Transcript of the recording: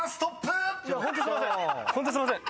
ホントすいません。